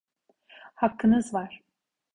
Hakkınız var!